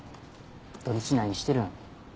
土日何してるん？